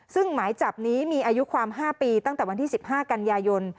ซึ่งหมายจับนี้มีอายุความ๕ปีตั้งแต่วันที่๑๕กันยายน